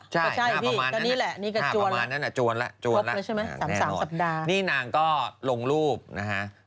ใช่น่าประมาณนั้นนะจวนแล้วจวนแล้วแน่นอนนี่นางก็ลงรูปนะฮะ